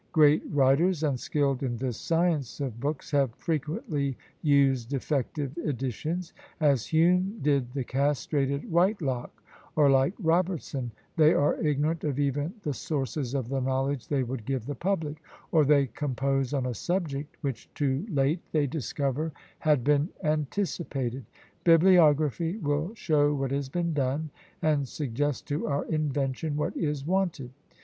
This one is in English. Great writers, unskilled in this science of books, have frequently used defective editions, as Hume did the castrated Whitelocke; or, like Robertson, they are ignorant of even the sources of the knowledge they would give the public; or they compose on a subject which too late they discover had been anticipated. Bibliography will show what has been done, and suggest to our invention what is wanted.